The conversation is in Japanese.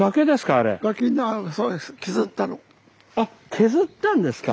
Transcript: あっ削ったんですか。